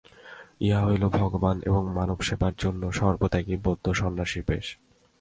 ইহা হইল ভগবান এবং মানব-সেবার জন্য সর্বত্যাগী বৌদ্ধ সন্ন্যাসীর বেশ।